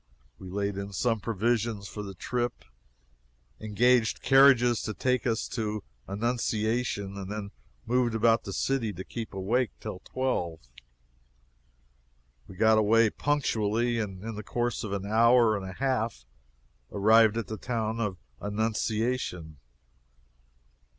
We laid in some provisions for the trip, engaged carriages to take us to Annunciation, and then moved about the city, to keep awake, till twelve. We got away punctually, and in the course of an hour and a half arrived at the town of Annunciation.